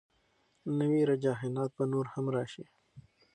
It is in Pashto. نوي رجحانات به نور هم راشي.